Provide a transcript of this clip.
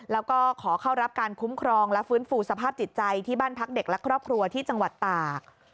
แล้วก็ขอเข้ารับการคุ้มครองและฟื้นฟูสภาพจิตใจที่บ้านพักเด็กและครอบครัวที่จังหวัดตาก